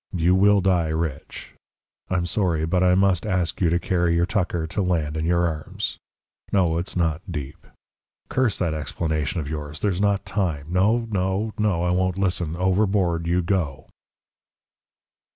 You will die rich. I'm sorry, but I must ask you to carry your tucker to land in your arms. No; it's not deep. Curse that explanation of yours! There's not time. No, no, no! I won't listen. Overboard you go!"